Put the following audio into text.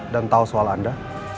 dan tau soal anda